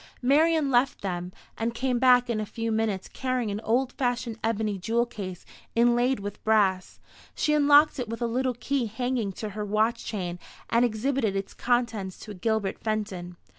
Marian left them, and came back in a few minutes carrying an old fashioned ebony jewel case, inlaid with brass. She unlocked it with a little key hanging to her watch chain, and exhibited its contents to Gilbert Fenton.